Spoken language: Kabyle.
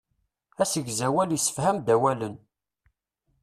Asegzawal issefham-d awalen.